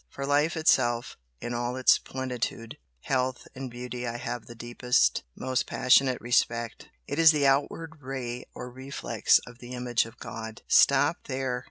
For life itself in all its plenitude, health and beauty I have the deepest, most passionate respect. It is the outward ray or reflex of the image of God " "Stop there!"